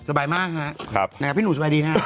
สบายมากนะครับพี่หนุ่มสบายดีนะครับ